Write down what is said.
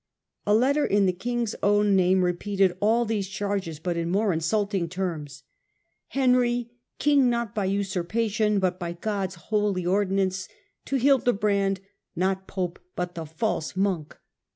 A letter in the king's own name repeated all these charges, but in more insulting terms. ^ Henry, king, not by usurpation, but by God's holy ordinance, to Hildebrand, not pope, but the false monk.